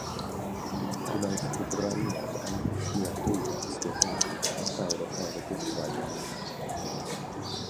Gwnaeth gyfraniad amhrisiadwy at ddehongli llawer o hieroglyffau Maia.